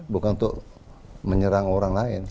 bukan untuk menyerang orang lain